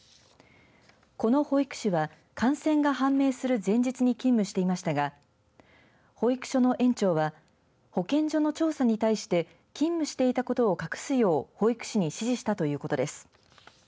この保育士は感染が判明する前日に勤務していましたが保育所の園長は保健所の調査に対して勤務していたことを隠すよう保育士に指示したということです。